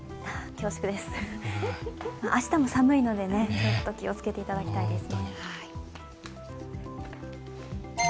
恐縮です明日も寒いので気をつけていただきたいです。